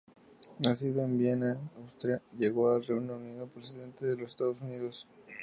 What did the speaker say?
Nacido en Viena, Austria, llegó al Reino Unido procedente de los Estados Unidos.